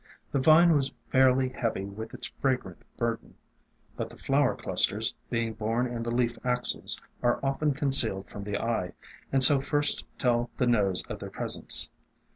The vine was fairly heavy with its fragrant burden, but the flower clusters, being borne in the leaf axils, are often concealed from the eye, and so first tell the nose of their presence.